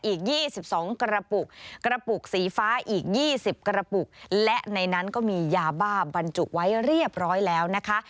อีก๒๒กระปุกกระปุกสีฟ้าอีก๒๐กระปุกและในนั้นก็มียาบ้าบรรจุไว้เรียบร้อยแล้วนะคะ